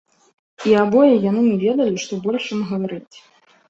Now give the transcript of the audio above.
І абое яны не ведалі, што больш ім гаварыць.